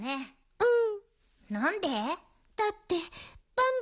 うん。